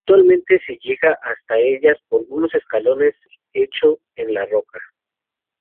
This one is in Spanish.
Actualmente se llega hasta ellas por unos escalones hechos en la roca.